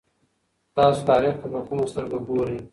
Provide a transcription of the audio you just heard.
تاسو تاریخ ته په کومه سترګه ګورئ؟